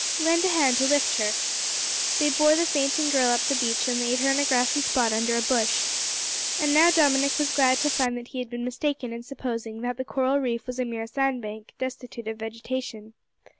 Lend a hand to lift her." They bore the fainting girl up the beach, and laid her on a grassy spot under a bush. And now Dominick was glad to find that he had been mistaken in supposing that the coral reef was a mere sandbank, destitute of vegetation.